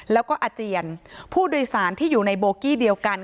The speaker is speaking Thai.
แล้วก็อาเจียนผู้โดยสารที่อยู่ในโบกี้เดียวกัน